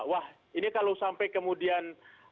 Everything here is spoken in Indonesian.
wah ini kalau sampai kemudian